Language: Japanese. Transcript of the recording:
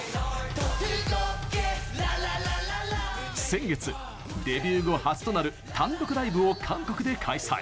先月デビュー後初となる単独ライブを韓国で開催。